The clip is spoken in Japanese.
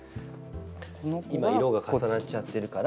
今色が重なっちゃってるから。